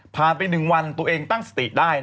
ผ่านไปหนึ่งวันตัวเองตั้งสติได้